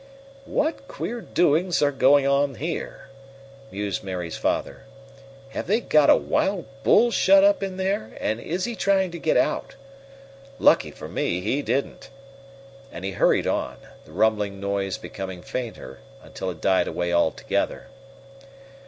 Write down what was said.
"What queer doings are going on here?" mused Mary's father. "Have they got a wild bull shut up in there, and is he trying to get out? Lucky for me he didn't," and he hurried on, the rumbling noise become fainter until it died away altogether.